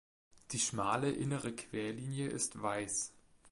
Die schmale innere Querlinie ist weiß.